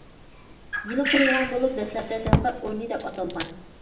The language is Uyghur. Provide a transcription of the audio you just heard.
يىلى قۇرۇلغان بولۇپ دەسلەپتە تەتقىقات ئورنى دەپ ئاتالغان.